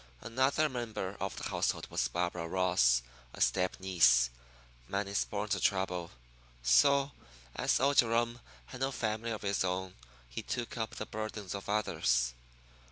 Another member of the household was Barbara Ross, a step niece. Man is born to trouble; so, as old Jerome had no family of his own, he took up the burdens of others.